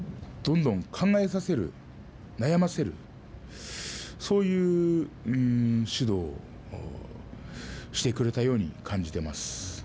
どんどん考えさせる、悩ませるそういう指導をしてくれたように感じています。